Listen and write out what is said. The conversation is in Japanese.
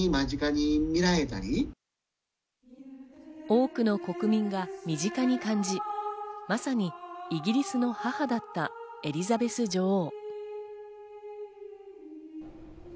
多くの国民が身近に感じ、まさにイギリスの母だったエリザベス女王。